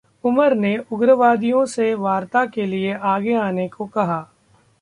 उमर ने उग्रवादियों से वार्ता के लिए आगे आने को कहा